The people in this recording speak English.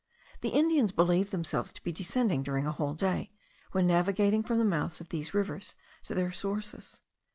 The Indians believe themselves to be descending during a whole day, when navigating from the mouths of these rivers to their sources.